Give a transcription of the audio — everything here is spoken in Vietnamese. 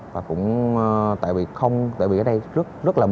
và cũng tại vì không tại vì ở đây rất là mơ